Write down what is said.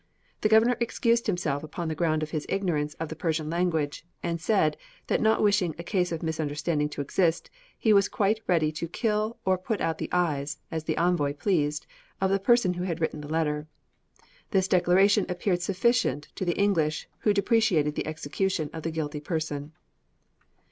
The governor excused himself upon the ground of his ignorance of the Persian language, and said, that not wishing a cause of misunderstanding to exist, he was quite ready to kill or put out the eyes (as the envoy pleased) of the person who had written the letter. This declaration appeared sufficient to the English, who deprecated the execution of the guilty person.